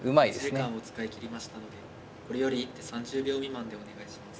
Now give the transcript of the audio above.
持ち時間を使い切りましたのでこれより一手３０秒未満でお願いします。